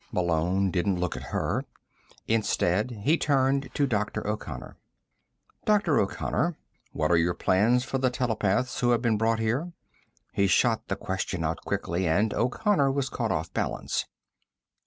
Malone didn't look at her. Instead, he turned to Dr. O'Connor. "Dr. O'Connor, what are your plans for the telepaths who have been brought here?" He shot the question out quickly, and O'Connor was caught off balance.